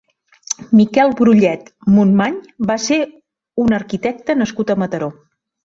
Miquel Brullet Monmany va ser un arquitecte nascut a Mataró.